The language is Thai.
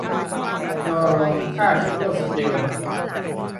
เอ้อ ถ้าคิดเรื่องสเกล